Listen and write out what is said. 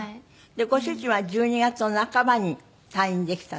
ご主人は１２月の半ばに退院できたんですって？